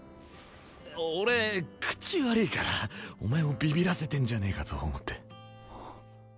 俺口悪いからお前をビビらせてんじゃねえかと思って。